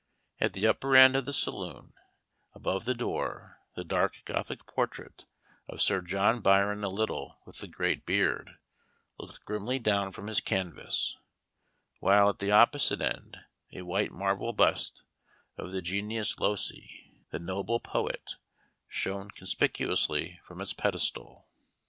At the upper end of the saloon, above the door, the dark Gothic portrait of "Sir John Byron the Little with the great Beard," looked grimly down from his canvas, while, at the opposite end, a white marble bust of the genius loci, the noble poet, shone conspicuously from its pedestal.